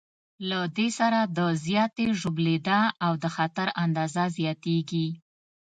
له دې سره د زیاتې ژوبلېدا او د خطر اندازه زیاتېږي.